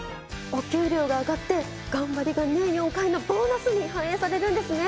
お給料が上がって頑張りが年４回のボーナスに反映されるんですね！